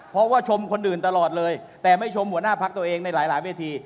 เพราะว่าชมคนอื่นตลอดเลยแต่ไม่ชมหัวหน้าพักตัวเองในหลายเวที